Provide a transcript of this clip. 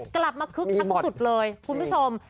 กลับมาคึกทั้งสุดเลยคุณผู้ชม